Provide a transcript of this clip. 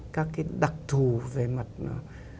các cái đặc thù về mặt nó